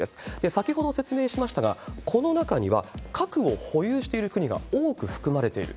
先ほど説明しましたが、この中には、核を保有している国が多く含まれている。